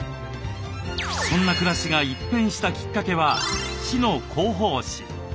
そんな暮らしが一変したきっかけは市の広報誌。